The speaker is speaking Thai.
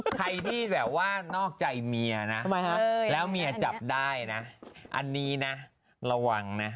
ใครที่แบบว่านอกใจเมียนะแล้วเมียจับได้นะอันนี้นะระวังนะ